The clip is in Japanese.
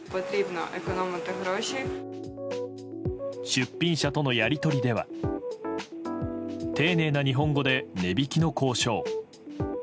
出品者とのやり取りでは丁寧な日本語で値引きの交渉。